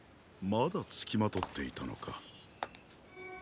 まだつきまとっていたのか。